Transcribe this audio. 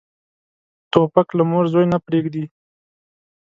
توپک له مور زوی نه پرېږدي.